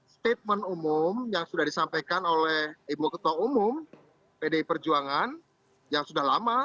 statement umum yang sudah disampaikan oleh ibu ketua umum pdi perjuangan yang sudah lama